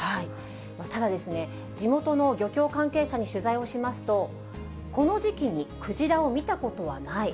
ただですね、地元の漁協関係者に取材をしますと、この時期にクジラを見たことはない。